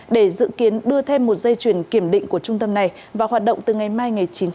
để dự kiến đưa thêm một dây chuyển kiểm định của trung tâm này và hoạt động từ ngày mai chín một